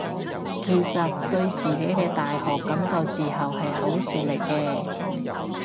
其實對自己嘅大學感到自豪係好事嚟嘅